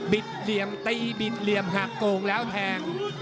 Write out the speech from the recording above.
เหลี่ยมตีบิดเหลี่ยมหากโกงแล้วแทง